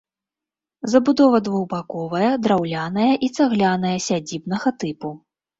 Забудова двухбаковая, драўляная і цагляная, сядзібнага тыпу.